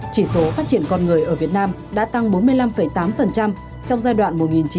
chỉ số phát triển con người ở việt nam đã tăng bốn mươi năm tám trong giai đoạn một nghìn chín trăm chín mươi hai nghìn một mươi chín